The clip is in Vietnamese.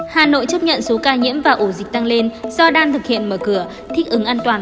hà nội chấp nhận số ca nhiễm và ổ dịch tăng lên do đang thực hiện mở cửa thích ứng an toàn